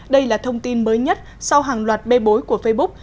đây là thông tin mới nhất sau hàng loạt bê bối của facebook